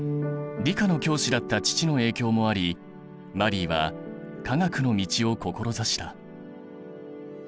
理科の教師だった父の影響もありマリーは科学の道を志した。